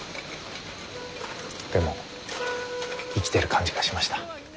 でも生きてる感じがしました。